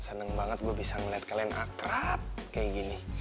seneng banget gue bisa ngeliat kalian akrab kayak gini